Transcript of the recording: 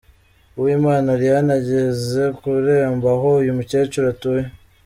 Uwimana Ariane ageze ku irembo aho uyu mukecuru atuye.